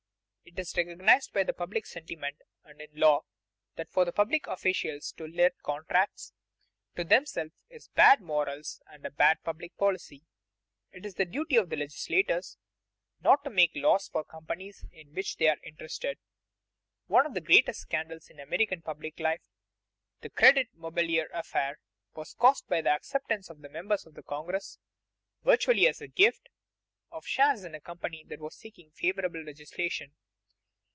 _ It is recognized by public sentiment and in law that for public officials to let contracts to themselves is bad morals and bad public policy. It is the duty of legislators not to make laws for companies in which they are interested. One of the greatest scandals in American public life, "the Credit Mobilier affair," was caused by the acceptance by members of Congress, virtually as a gift, of shares in a company that was seeking favoring legislation.